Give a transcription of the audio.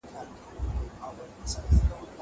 زه مخکي کتابتون ته راتلی و.